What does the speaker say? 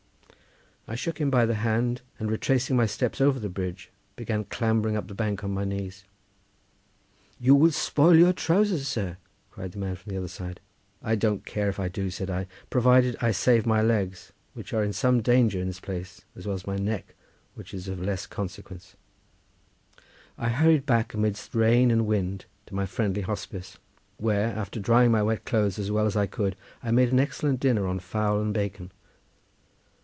I shook him by the hand, and retracing my steps over the bridge began clambering up the bank on my knees. "You will spoil your trowsers, sir!" cried the man from the other side. "I don't care if I do," said I, "provided I save my legs, which are in some danger of this place, as well as my neck, which is of less consequence." I hurried back amidst rain and wind to my friendly hospice, where, after drying my wet clothes as well as I could, I made an excellent dinner on fowl and bacon.